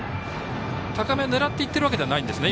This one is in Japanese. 高め、狙っていってるわけではないんですね。